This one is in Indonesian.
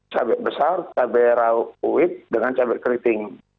cabai besar cabai rawit uib dengan cabai keriting